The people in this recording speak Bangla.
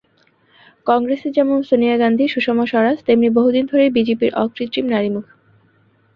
কংগ্রেসে যেমন সোনিয়া গান্ধী, সুষমা স্বরাজ তেমিন বহুদিন ধরেই বিজেপির অকৃত্রিম নারীমুখ।